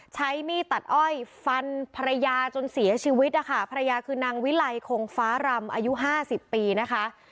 ใช้มีดตัดอ้อยฟันภรรยาจนเสียชีวิตนะคะภรรยาคือนางวิไลคงฟ้ารำอายุห้าสิบปีนะคะ